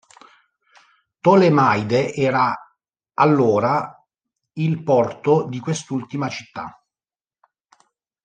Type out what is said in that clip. Tolemaide era allora il porto di quest'ultima città.